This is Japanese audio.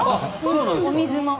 お水も。